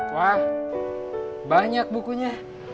wah banyak bukunya